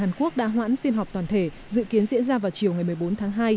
hàn quốc đã hoãn phiên họp toàn thể dự kiến diễn ra vào chiều ngày một mươi bốn tháng hai